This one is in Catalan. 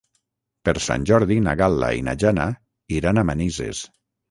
Per Sant Jordi na Gal·la i na Jana iran a Manises.